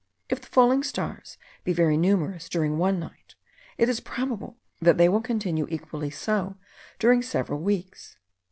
If the falling stars be very numerous during one night, it is probable that they will continue equally so during several weeks.